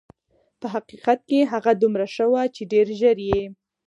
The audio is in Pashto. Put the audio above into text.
په حقیقت کې هغه دومره ښه وه چې ډېر ژر یې.